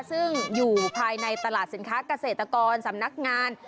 ซึ่งอยู่ภายในตลาดสินค้าเกษตรกรสำนักงาน